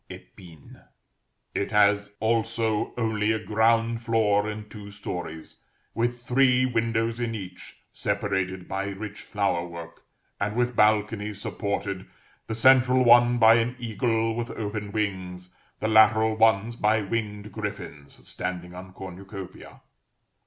épine_; it has also only a ground floor and two stories, with three windows in each, separated by rich flower work, and with balconies, supported, the central one by an eagle with open wings, the lateral ones by winged griffins standing on cornucopiæ.